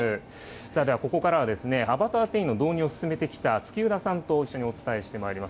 ではここからは、アバター店員の導入を進めてきた月生田さんと一緒にお話していきます。